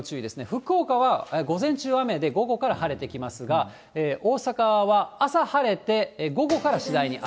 福岡は午前中は雨で、午後から晴れてきますが、大阪は朝晴れて、午後から次第に雨。